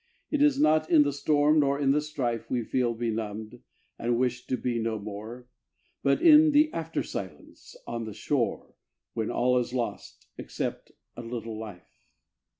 It is not in the storm nor in the strife We feel benumbed, and wish to be no more, But in the after silence on the shore, When all is lost, except a little life.